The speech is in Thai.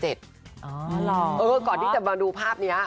ก่อนที่จะมาดูภาพนี้